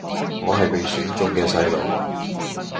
我係被選中嘅細路⠀⠀